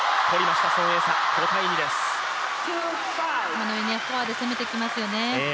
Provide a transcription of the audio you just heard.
このようにフォアで攻めてきますよね。